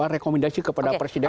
rekomendasi kepada presiden